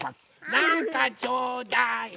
なんかちょうだい！